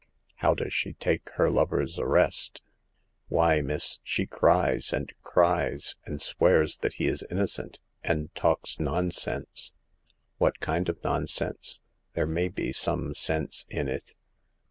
" How does she take her lover's arrest ?"" Why, miss, she cries, and cries, and swears that he is innocent, and talks nonsense." What kind of nonsense ? There may be some sense in it